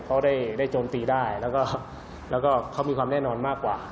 เขาได้โจมตีได้แล้วก็เขามีความแน่นอนมากกว่า